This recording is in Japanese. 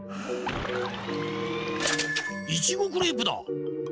いちごクレープだ！